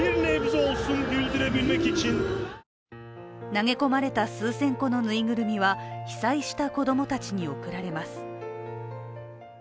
投げ込まれた数千個の縫いぐるみは被災した子供たちに送られます。